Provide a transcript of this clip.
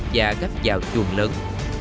và gấp vào chuồng lớn